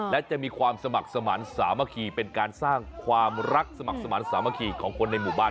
และจะมีความสมัครสมาธิสามัคคีเป็นการสร้างความรักสมัครสมาธิสามัคคีของคนในหมู่บ้าน